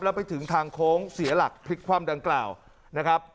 แล้วไปถึงทางโค้งเสียหลักพลิกคว่ำดังกล่าวนะครับ